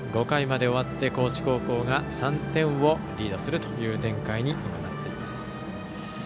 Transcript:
５回まで終わって高知高校が３点をリードするという展開になっています。